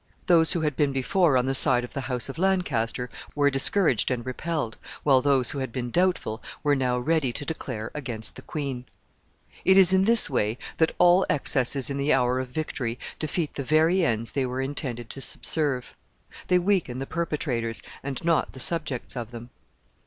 Those who had been before on the side of the house of Lancaster were discouraged and repelled, while those who had been doubtful were now ready to declare against the queen. It is in this way that all excesses in the hour of victory defeat the very ends they were intended to subserve. They weaken the perpetrators, and not the subjects of them.